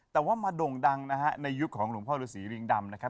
แต่ว่ามาโด่งดังนะฮะในยุคของหลวงพ่อฤษีริงดำนะครับ